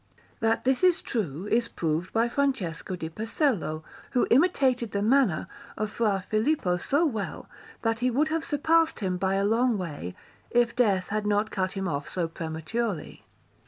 That this is true is proved by Francesco di Pesello, who imitated the manner of Fra Filippo so well that he would have surpassed him by a long way, if death had not cut him off so prematurely.